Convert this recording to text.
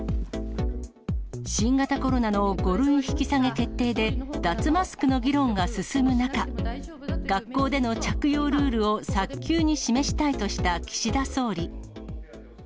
新型コロナの５類引き下げ決定で、脱マスクの議論が進む中、学校での着用ルールを早急に示したいとした岸田総理。